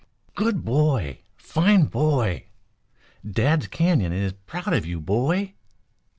"Good boy! Fine boy! Dad's Canyon is proud of you, boy!"